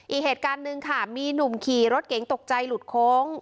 อีกเหตุการณ์หนึ่งค่ะมีหนุ่มขี่รถเก๋งตกใจหลุดโค้ง